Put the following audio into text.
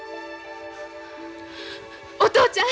お父ちゃん！